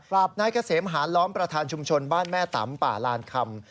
นายเกษมหาล้อมประธานชุมชนบ้านแม่ตำป่าลานคำ